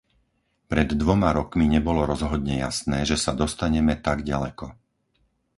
Pred dvoma rokmi nebolo rozhodne jasné, že sa dostaneme tak ďaleko.